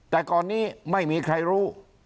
แต่ก่อนนี้ไม่มีใครรู้